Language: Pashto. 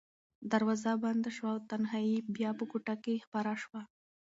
دروازه بنده شوه او تنهایي بیا په کوټه کې خپره شوه.